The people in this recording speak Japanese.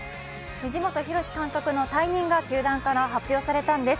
藤本博史監督の退任が球団から発表されたんです。